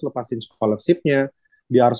lepasin scholarship nya dia harus